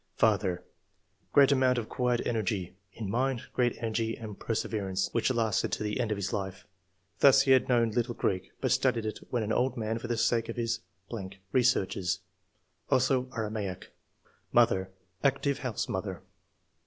" Father — Great amount of quiet energy. In mind, great energy and perseverance, which lasted to the end of his life. Thus he had known little Greek, but studied it when an old man for the sake of his ... researches ; also Aramaic. Mother — Active housemother."